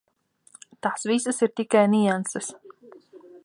Tās visas ir tikai nianses.